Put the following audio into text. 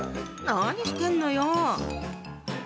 何してんのよ？